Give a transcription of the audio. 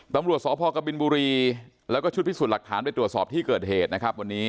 ตำรวจศพครบิลบุรีแล้วก็ชุดพิสุธิ์รักษารในตรวจสอบที่เกิดเหตุนะครับ